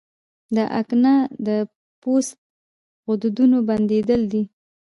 د اکنه د پوست غدودونو بندېدل دي.